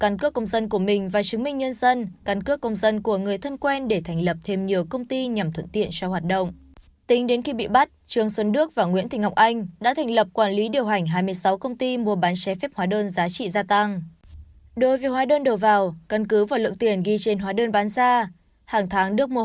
ngọc anh bị cơ quan điều tra bắt giữ về hành vi mua bán trái phép hóa đơn chứng tử thu nộp ngân sách nhà nước